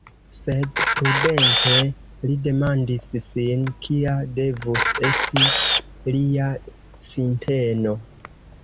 Sed prudente li demandis sin kia devus esti lia sinteno?